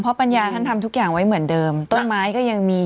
เพราะปัญญาท่านทำทุกอย่างไว้เหมือนเดิมต้นไม้ก็ยังมี